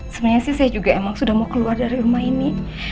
sebenarnya sih saya juga emang sudah mau keluar dari rumah ini